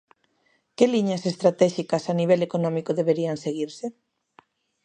Que liñas estratéxicas a nivel económico deberían seguirse?